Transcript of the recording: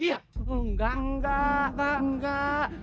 enggak enggak enggak enggak